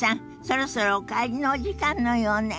そろそろお帰りのお時間のようね。